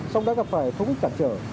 xong đã gặp phải thông ích tạm trở